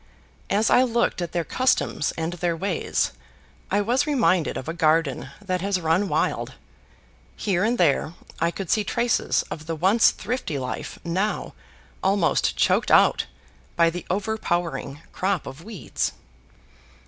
As I looked at their customs and their ways, I was reminded of a garden that has run wild. Here and there I could see traces of the once thrifty life now almost choked out by the overpowering crop of weeds.